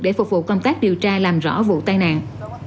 để phục vụ công tác điều tra làm rõ vụ tai nạn